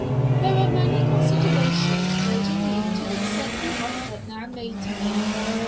There were many considerations urging me to accept the offer now made to me.